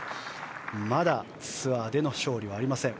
まだツアーでの勝利はありません